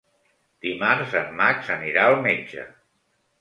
Dimarts en Max anirà al metge.